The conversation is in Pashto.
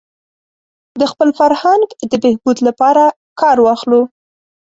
د خپل فرهنګ د بهبود لپاره کار واخلو.